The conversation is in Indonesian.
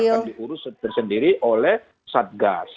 akan diurus tersendiri oleh satgas